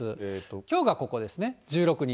きょうがここですね、１６日。